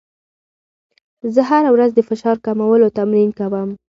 زه هره ورځ د فشار کمولو تمرین کوم.